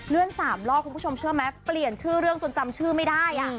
๓รอบคุณผู้ชมเชื่อไหมเปลี่ยนชื่อเรื่องจนจำชื่อไม่ได้